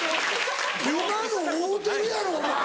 今の合うてるやろお前。